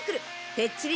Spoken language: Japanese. てっちり